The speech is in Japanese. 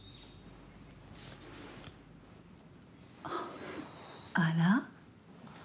あら？